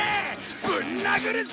ぶん殴るぞ！